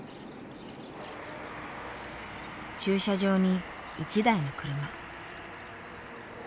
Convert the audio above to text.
駐車場に１台の車。